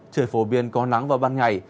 trời phổ biến có nắng vào ban ngày